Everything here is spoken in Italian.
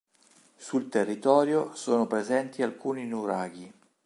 Sul territorio sono presenti alcuni nuraghi.